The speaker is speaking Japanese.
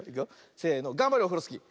せのがんばれオフロスキー。